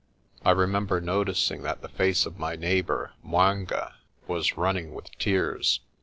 I remember noticing that the face of my neighbour, 'Mwanga, was running with tears.